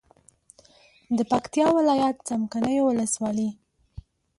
د پکتیا ولایت څمکنیو ولسوالي